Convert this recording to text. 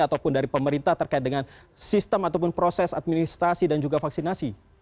ataupun dari pemerintah terkait dengan sistem ataupun proses administrasi dan juga vaksinasi